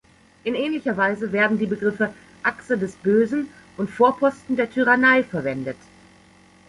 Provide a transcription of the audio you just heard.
In ähnlicher Weise werden die Begriffe Achse des Bösen und Vorposten der Tyrannei verwendet.